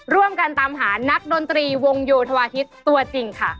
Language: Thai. ร่วมกันตามหานักดนตรีวงโยธวาฮิตตัวจริงค่ะ